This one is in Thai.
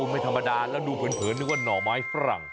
ไม่ธรรมดาแล้วดูเผินนึกว่าหน่อไม้ฝรั่ง